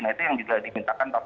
nah itu yang juga dimintakan